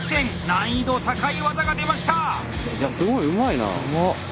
難易度高い技が出ました！